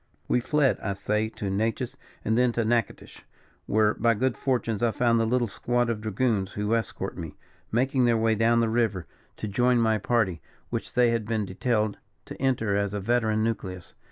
We fled, I say, to Natchez, and thence to Natchitoches, where by good fortune I found the little squad of dragoons who escort me, making their way down the river to join my party, which they had been detailed to enter as a veteran nucleus.